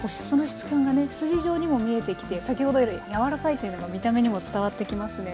筋状にも見えてきて先ほどより柔らかいというのが見た目にも伝わってきますね。